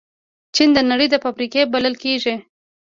چین د نړۍ فابریکې بلل کېږي.